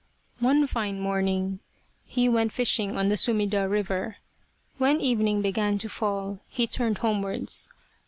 One fine morning he went fishing on the Sumida river. When evening began to fall he turned home wards.